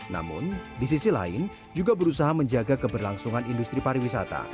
namun di sisi lain juga berusaha menjaga keberlangsungan industri pariwisata